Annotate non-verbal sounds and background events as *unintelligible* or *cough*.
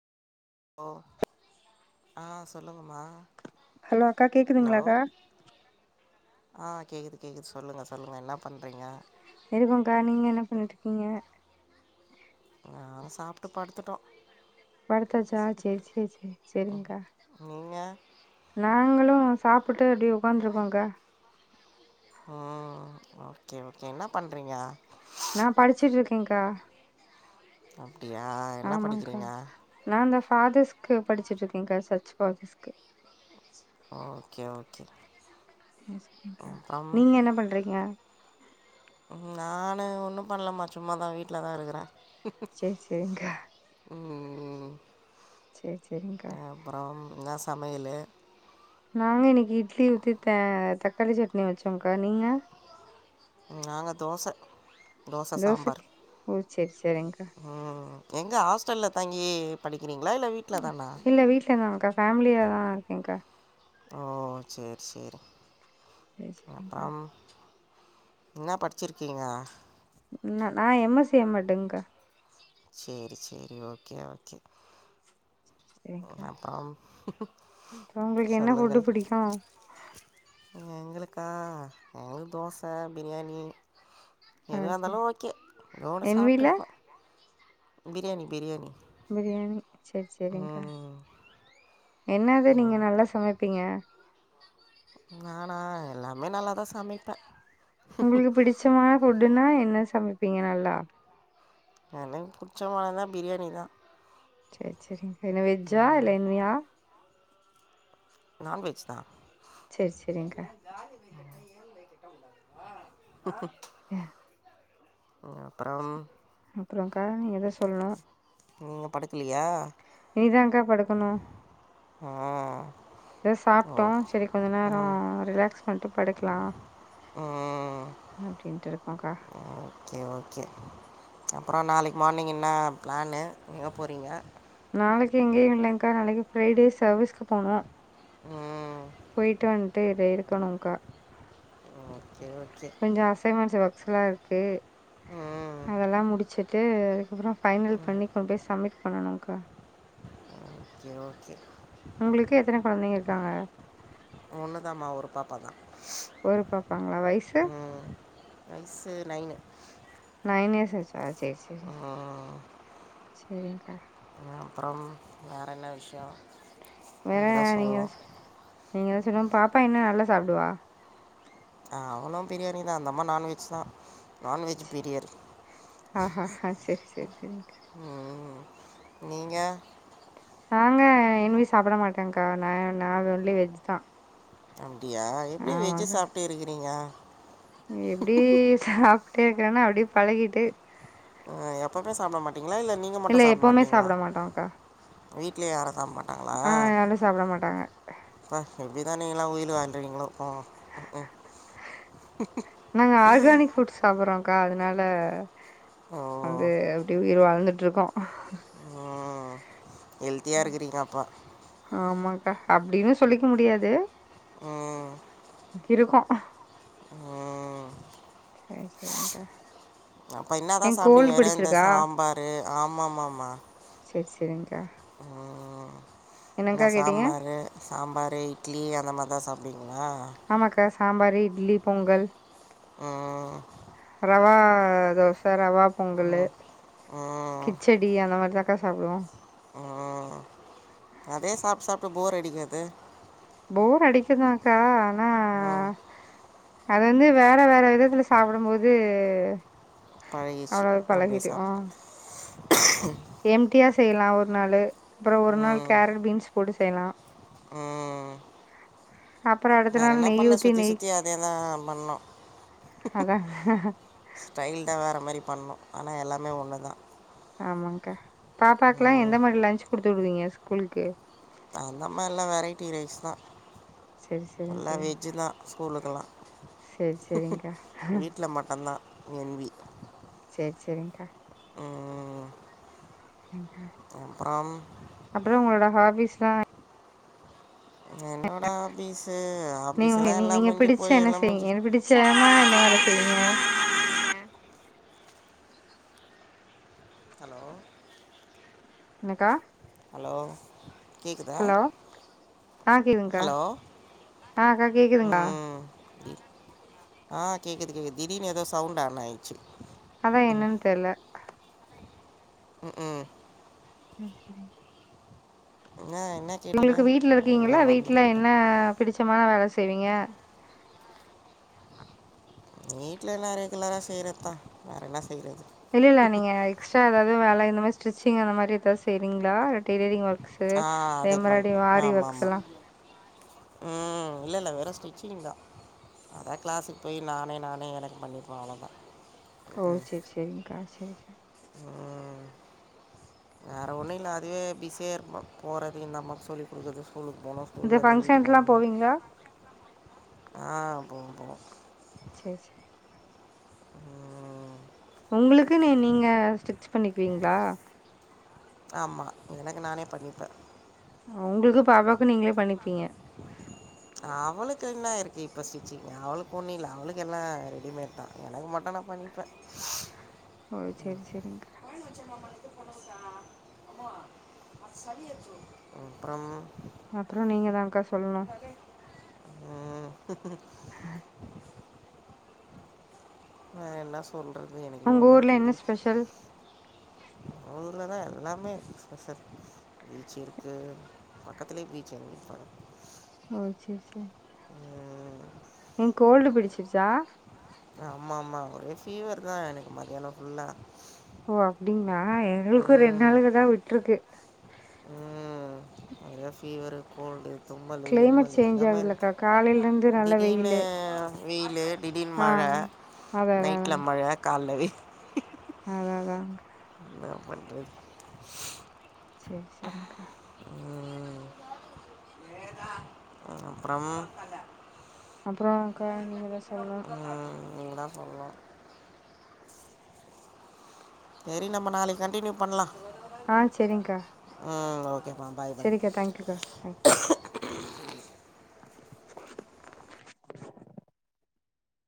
ஓ ஆ சொல்லுங்கம்மா ஹலோ அக்கா ஹலோ கேக்குதுங்ளாக்கா ஆ கேகுது கேகுது சொல்லுங்க சொல்லுங்க என்னா பண்ணுறீங்க இருக்கோக்கா நீங்க என்ன பண்ணிட்ருக்கீங்க நாங்க சாப்ட்டு படுத்துட்டோ படுத்தாச்சா செரி செரி செரி செரிங்க்கா நீங்க நாங்களு சாப்புட்டு அப்டியே உக்காந்துருக்கோக்கா ஆ ஓகே ஓகே என்னா பண்றீங்க நா படிச்சிட்ருக்கேக்கா அப்டியா என்னா ஆமாங்க்கா படிக்கிறீங்க நா அந்த ஃபாதர்ஸ்க்கு படிச்சிட்ருக்கேங்க்கா சச் ப்ராஸஸ்கு ஓகே ஓகே அப்றம் நீங்க என்ன பண்றீங்க நானு ஒன்னும் பண்லம்மா சும்மாதா வீட்ல தா இருக்குற சேரி சேரிங்க்கா ம் ம் சேரி சேரிங்க்கா அப்பறம் என்னா சமையலு நாங்க இன்னக்கி இட்லி ஊத்தி தே தக்காளி சட்னி வச்சோங்கா நீங்க நாங்க தோச தோச சாம்பார் தோசைக்கி ஓ செரி செரிங்க்கா ம் எங்க ஹாஸ்டல்ல தங்கி படிக்கிறீங்ளா இல்ல வீட்ல தானா இல்ல வீட்டில தாங்க்கா ஃபேமிலியா தா இருக்கேங்க்கா ஓ சேரி சேரி சேரி சேரிங்க்கா அப்பறம் இன்னா படிச்சிருக்கீங்க ன் நா எம் எசி எம் மடு ங்க்கா சேரி சேரி ஓகே ஓகே செரிங்க்கா அப்றம் அப்றோ உங்களுக்கு என்ன ஃபுட்டு சொல்லுங்கள் புடிக்கு எங்களுக்கா எங்களுக்கு தோச பிரியாணி ஆ எதுவாந்தாலு செரி ஓகே எதோன்னு என் வீல சாப்ட்டுப்போ பிரியாணி பிரியாணி பிரியாணி சேரி சேரிங்க்கா ம், என்னது நீங்க ம். நல்லா சமைப்பீங்க நானா எல்லாமே நல்லாதா சமைப்ப உங்களுக்கு பிடிச்சமான ஃபுட்டுன்னா என்ன சமைப்பீங்க நல்லா எனக்கு புடிச்ச மாரினா பிரியாணி தா செரி செரிங்க என்ன வெஜ்ஜா லென்வியா நான்வெஜ் தா செரி செரிங்க *unintelligible* *inaudible* ம் அப்பறம் அப்புறம்கா நீங்க தா சொல்லணு நீங்க படுக்கலையா இனிதாகா படுக்கணு ஆ இப்ப தா சாப்ட்டோ ஓகே சரி கொஞ்ச நேரம் ம் ரிலாக்ஸ் பண்ட்டு படுக்கலா ம் அப்டின்ட்டு இருக்கோகா செரி ஓகே அப்புறோ நாளைக்கு மார்னிங் என்ன பிளானு எங்க போறீங்க நாளைக்கு எங்கேயு இல்லங்க்கா நாளைக்கு ஃப்ரைடே சர்வீஸ்க்கு போணும் ம் போயிட்டு வந்ட்டு இத இருக்கணும்க்கா ஓகே ஓகே கொஞ்சோ அசைன்மென்ட்ஸ் ஒர்க்ஸ்ல்லா இருக்கு ம் அதெல்லா முடிச்சிட்டு அதுக்கப்புறம் ஃபைனல் பண்ணி கொண்டு போய் சப்மிட் பண்ணனும்க்கா ஓகே ஓகே உங்களுக்கு எத்தன கொழந்தைங்க இருக்காங்க ஒன்னுதாம்மா ஒரு பாப்பா தா ஒரு பாப்பாங்களா வயசு உம் வயசு நைனு நைன் இயர்ஸ் ஆச்சா செரி செரி செரி செரிங்க அ அப்புறம் வேற என்ன விஷயம் வேற நீங்கள் தான் நீங்க சொல்லணும் நீங்கதா சொல்லணு பாப்பா என்ன நல்லா சாப்டுவா அ அவனும் பிரியாணி தா அந்தம்மா நான்வெஜ் தா நான்வெஜ் பிரியர் ஆஹா ஹா சேரி சேரி உம் சேரிங்க்கா உம் நீங்க நாங்க எதுமே சாப்பிட மாட்டங்கா நா நா ஒன்லி வெஜ் தா அப்டியா எப்டி வெஜி ஆமாக்கா சாப்ட்டு இருக்கிறீங்க எப்டி சாப்ட்டு இருக்கேன்னா அப்டியே பழகிட்டு ஆ எப்பவுமே சாப்ட மாட்டீங்களா இல்ல நீங்க மட்டு சாப்ட மாட்டீங்களா வீட்ல யாரும் சாப்ட மாட் ஆ யாரும் சாப்ட மாட்டாங்க ப்பா எப்டிதா நீங்கல்லா உயில் வாழ்ரீங்களோ போங்க ம் நாங்க ஆர்கானிக் ஃபுட்ஸ் சாப்டுறோம்கா அதனால வந்து ஓ அப்டி உயிர் வாழ்ந்துட்டு இருக்கோ ஹெல்த்தியா ம். இருக்குறீங்க அப்போ ஆமாக்கா அப்டின்னு சொல்லிக்க முடியாது உம் இருக்கோ ம். செரி செரிங்கா அப்ப என்னதா சாப்டுவிங்க வெறும் இந்த சாம்பாரு ஆமா ஆம்மாம்மா செரி செரிங்கா என்ன கேட்டீங்க சாம்பாரு சாம்பாரு இட்லி அந்த மாதிரி தா சாப்டுவீங்களா ஆமாக்கா சாம்பாரு இட்லி பொங்கல் ஆ ரவா தோச ரவா பொங்கலு ம், கிச்செடி அந்த மாரிதாக்கா சாப்டுவோ ஆ அதே சாப்ட் சாப்ட்டு போர் அடிக்காது போர் அடிக்குதாக்கா ஆனா ம் அது வந்து வேற வேற விதத்துல சாப்டும் போது பழகிச்சி அப்டியே சாப்ட்டு எம்டியா செய்யலா ஒரு நாளு அப்புற ஒரு நாள் ம் கேரட் பீன்ஸ் போட்டு செய்யலா ம் அப்புற அடுத்து வேற என்ன பண்ண சுத்தி சுத்தி அதேதா பண்ணு அதாங்க ஸ்டைல்தா வேற மாரி பண்ணு ஆனா எல்லாமே ஒன்னுதா ஆமாக்கா பாப்பாக்கெல்லா ம், எந்த மாரி லன்ச் குடுத்து விடுவீங்க ஸ்கூலுக்கு அந்த மாரிலா வெரைட்டி ரைஸ் தா செரி செரிங்க நல்லா செரிங்க வெஜ்ஜு தா ஸ்கூலுக்கெல்லா செரி செரிங்க்கா வீட்ல மட்டுந்தா என் வி செரி செரிங்க்கா ம், ஏக்கா அப்புறம் அப்புற உங்களோட ஹாபீஸ்லா என்னோட ஹாபீஸு நீ உங்க ஹாபிஸ்லா நீ எல்லா நீங்க முஞ்சு பிடிச்ச போய் என்ன எல்லா செய்வீங்க முஞ்சு எனக்கு பிடிச்சமா என்ன வேல செய்வீங்க ஹலோ என்னக்கா ஹலோ கேக்குதா ஹலோ ஆ கேக்குதுங்க்கா ஆ அக்கா கேக்குதுங்களா ம் தி- ஆ கேக்குது கேக்குது திடீர்னு எதோ சவுண்ட் ஆன் ஆயிச்சு அதா என்னன்னு தெர்ல ம் ம் ம் சரிங் என்ன என்ன கேட்டீங்க உங்களுக்கு வீட்ல நானுங்களே இருக்கீங்களா மறந்து வீட்ல என்ன போயிட்டேன் பிடிச்சமான வேல செய்வீங்க வீட்ல நா ரெகுலரா செய்றதா வேற என்ன செய்றது இல்லல்ல நீங்க எக்ஸ்ட்ரா எதாவது வேல இந்த மாரி ஸ்டிச்சிங் அந்த மாரி எதாது செய்றீங்களா டெய்லரிங் ஒர்க் ஸு ஆ இதே அது பண் மாரி ஆரி ஆமாம் ஒர்க்ஸ் ஆமாம் எல்லா ம் இல்லல்ல வெறு ஸ்டிச்சிங்தா அதா கிளாஸுக்கு போய் நானே நானே எனக்கு பண்ணிக்குவ அவ்ளோதா ஓ செரி செரிங்க்கா செரி செரி வேற ஒன்னு இல்ல அதுவே பிஸியா இருக்கும் போறது இந்தம்மாக்கு சொல்லி குடுக்குறது ஸ்கூலுக்கு போனு இந்த ஃபங்க்ஷன்குல்லா போவீங்களா ஆ போவ போவ செரி செரி உங்களுக்குன்னு நீங்க ஸ்டிச் பண்ணிக்குவீங்களா ஆமா எனக்கு நானே பண்ணிப்ப உங்களுக்கு பாப்பாக்கு நீங்களே பண்ணிப்பீங்க அவளுக்கென்னா இருக்கு இப்ப ஸ்டிச்சிங் அவளுக்கு ஒன்னு இல்ல அவளுக்கெல்லா ரெடிமேட்தா எனக்கு மட்டு நா பண்ணி ப்ப ஓ செரி செரிங்க கொழந்த வெச்ச மாமாளுக்கு பொண்ண குத்தா அம்மா அத் சளி எத்துரோ அப்புறம் அப்புறோ நீங்கதாங்கா சொல்ணோ ம், வேற என்ன சொல்றதுனு எனக்கே உங்க ஒன்னோ ஊர்ல என்ன தெரியுல ஸ்பெஷல்? ஊ ஊர்லதா எல்லாமே ஸ்பெஷல் பீச் இருக்கு பக்கத்துலயே பீச் இருக்கு எங்க வீட்டு பக்கத் ஓ செர் செரி ம் ம் கோல்டு பிடிச்சிருச்சா ஆமா ஆமா ஒரே ஃபீவர்தா எனக்கு மதியானோ ஃபுல்லா ஓ அப்டீங்களா எங்குளுக்கோ ரெண்டு ம் நாளுக்குதா விட்ருக்கு ம் ஒரே ஃபீவர்ரு கோல்டு தும்மலு கிளைமேட் இருமலு சேஞ்ச் எல்லாமே இருக்கு ஆகுதுலக்கா காலையில இருந்து நல்ல திடீர்னு வெயிலு வெயிலு திடீர்னு மழ அதா அதா அதாங்க கால்ல வெய் அதா அதாங்க என்னாப் பண்றது செர் செரிங்கா அப்புறம் அப்றம் அக்கா நீங்கதா சொல்னோ அ நீங்கதா சொல்னோ செரி நம்ம நாளைக்கி கண்டினியூ பண்லா ஆ செரிங்கா அ ஓகே பா செரிக்கா தேங்க்யூக்கா தேங்க்